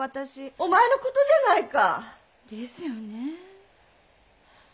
お前の事じゃないか。ですよねえ。